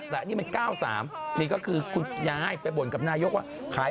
แต่นี่มัน๙๓นี่ก็คือคุณยายไปบ่นกับนายกว่าขาย